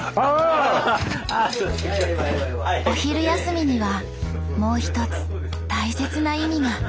お昼休みにはもう一つ大切な意味が。